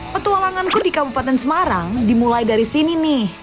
petualanganku di kabupaten semarang dimulai dari sini nih